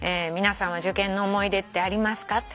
「皆さんは受験の思い出ってありますか？」